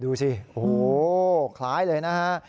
ดูสิโอ้โหคล้ายเลยนะฮะ